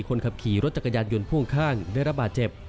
คนขับขี่รถจักรยานยนต์พ่วงข้างได้รับบาดเจ็บ